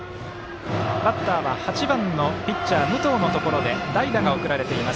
バッターは８番のピッチャー武藤のところで代打が送られています。